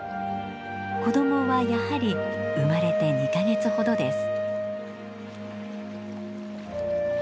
子どもはやはり生まれて２か月ほどです。